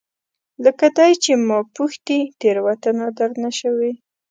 لکه دی چې ما پوښتي، تیروتنه درنه شوې؟